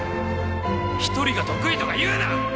ひとりが得意とか言うな！